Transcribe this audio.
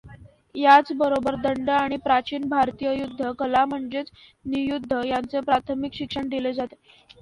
याचबरोबर दंड आणि प्राचीन भारतीय युद्ध कला म्हणजेच नियुद्ध यांचे प्राथमिक शिक्षण दिले जाते.